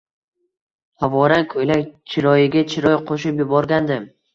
Havorang ko`ylak chiroyiga chiroy qo`shib yuborgandi